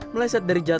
meleset dari jawa barat